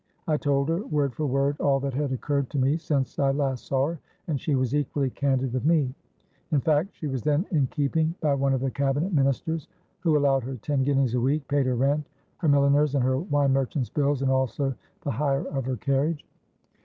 I told her, word for word, all that had occurred to me since I last saw her; and she was equally candid with me. In fact, she was then in keeping by one of the Cabinet Ministers, who allowed her ten guineas a week, paid her rent, her milliner's and her wine merchant's bills, and also the hire of her carriage.